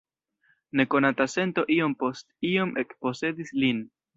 Nekonata sento iom post iom ekposedis lin.